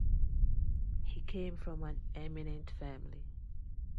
He came from an eminent family.